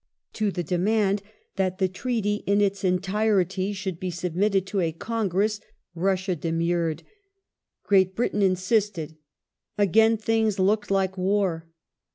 To the demand that the Treaty in its entirety should be sub Lord mitted to a Congress Russia demuiTed. Great Britain insisted. rggLns Again things looked like war.